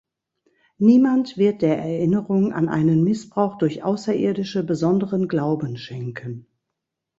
Niemand wird der Erinnerung an einen Missbrauch durch Außerirdische besonderen Glauben schenken.